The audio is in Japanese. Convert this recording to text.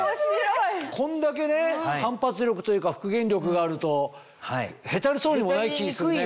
こんだけね反発力というか復元力があるとへたりそうにもない気するね。